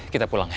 kita pulang ya